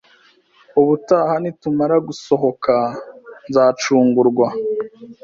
Ubutaha nitumara gusohoka, nzacungura